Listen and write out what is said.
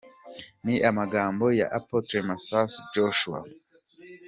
Ni amagambo ya Apotre Masasu Joshua.